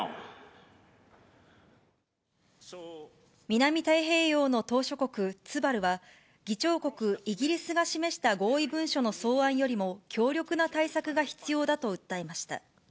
南太平洋の島しょ国、ツバルは、議長国イギリスが示した合意文書の草案よりも強力な対策が必要だと訴えました。